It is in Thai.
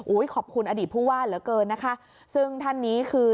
ขอบคุณอดีตผู้ว่าเหลือเกินนะคะซึ่งท่านนี้คือ